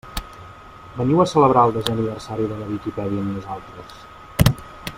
Veniu a celebrar el desè aniversari de la Viquipèdia amb nosaltres!